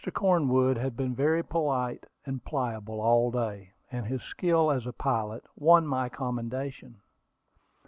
Cornwood had been very polite and pliable all day, and his skill as a pilot won my commendation.